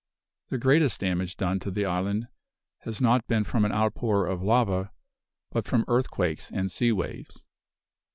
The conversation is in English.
The greatest damage done to the island has not been from an outpour of lava, but from earthquakes and sea waves.